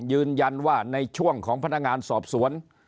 ยืนยันว่าในช่วงของพนักงานสอบสวน